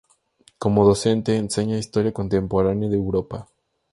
Como docente, enseña historia contemporánea de Europa.